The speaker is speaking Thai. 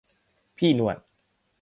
พี่หนวด